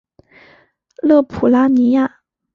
勒普拉尼亚。